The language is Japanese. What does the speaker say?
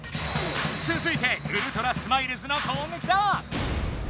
つづいてウルトラスマイルズのこうげきだ！